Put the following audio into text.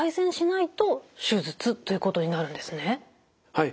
はい。